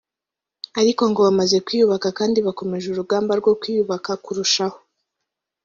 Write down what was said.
ariko ngo bamaze kwiyubaka kandi bakomeje urugamba rwo kwiyubaka kurushaho